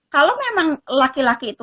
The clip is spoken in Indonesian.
kalau memang laki laki itu